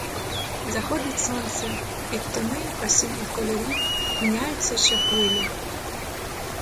Заходить сонце, і тони осінніх кольорів міняються щохвилі.